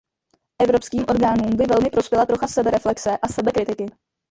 Evropským orgánům by velmi prospěla trocha sebereflexe a sebekritiky.